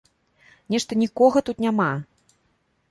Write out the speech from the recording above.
Нешта нікога тут няма!